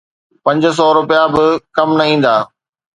پنج سؤ رپيا به ڪم نه ايندا